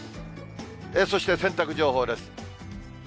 そして洗濯情報です。